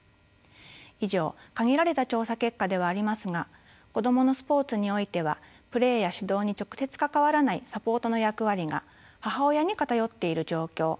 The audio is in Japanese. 以上限られた調査結果ではありますが子どものスポーツにおいてはプレーや指導に直接関わらないサポートの役割が母親に偏っている状況